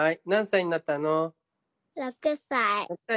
「６歳になったの」。